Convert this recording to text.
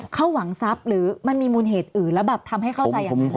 เขาหวังซัพหรือมันมีมุนเทสอื่อแล้วแบบทำให้เข้าใจอย่างนี้ฮะ